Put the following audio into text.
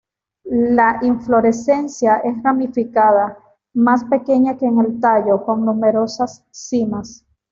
La inflorescencia es ramificada, más pequeña que el tallo, con numerosas cimas.